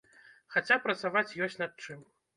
Хаця, працаваць ёсць над чым.